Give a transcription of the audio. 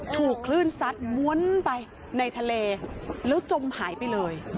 ถูกคลื่นซัดม้วนไปในทะเลแล้วจมหายไปเลย